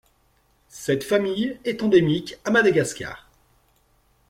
Cette famille est endémiques à Madagascar.